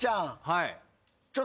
はい。